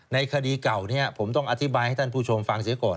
ในคดีเก่านี้ผมต้องอธิบายให้ท่านผู้ชมฟังเสียก่อน